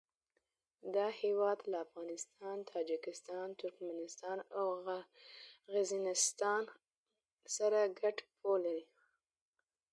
دا هېواد له افغانستان، تاجکستان، ترکمنستان او قرغیزستان سره ګډه پوله لري.